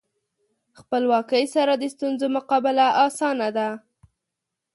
خپلواکۍ سره د ستونزو مقابله اسانه ده.